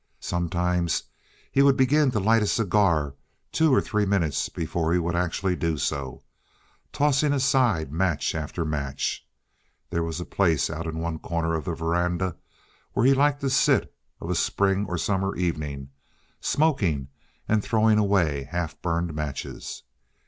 Sometimes he would begin to light a cigar two or three minutes before he would actually do so, tossing aside match after match. There was a place out in one corner of the veranda where he liked to sit of a spring or summer evening, smoking and throwing away half burned matches.